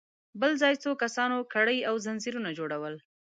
بل ځای څو کسانو کړۍ او ځنځيرونه جوړل.